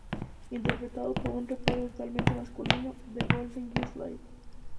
Interpretado por un reparto totalmente masculino, "The Golden Girls: Live!